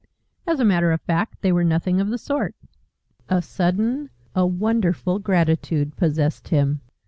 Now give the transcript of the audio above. As a matter of fact, they were nothing of the sort. A sudden, a wonderful gratitude, possessed him.